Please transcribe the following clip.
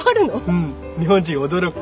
うん日本人驚く。